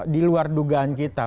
di luar dugaan kita